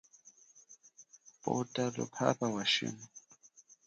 Pwota luphapha wa shima.